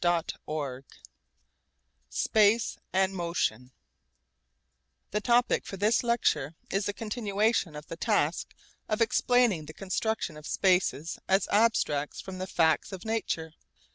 CHAPTER V SPACE AND MOTION The topic for this lecture is the continuation of the task of explaining the construction of spaces as abstracts from the facts of nature.